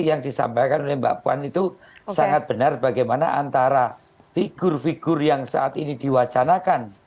yang disampaikan oleh mbak puan itu sangat benar bagaimana antara figur figur yang saat ini diwacanakan